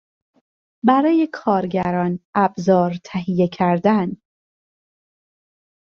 برای کارگران ابزار تهیه کردن